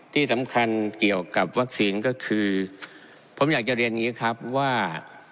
ที่สำคัญเกี่ยวกับวัคซีนก็คือผมอยากจะเรียนอย่างนี้ครับว่า